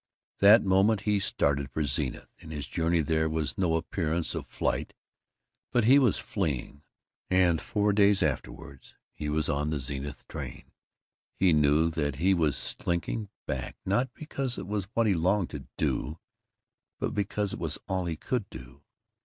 That moment he started for Zenith. In his journey there was no appearance of flight, but he was fleeing, and four days afterward he was on the Zenith train. He knew that he was slinking back not because it was what he longed to do but because it was all he could do.